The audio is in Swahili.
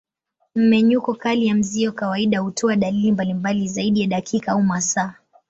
Mmenyuko kali ya mzio kawaida hutoa dalili mbalimbali zaidi ya dakika au masaa.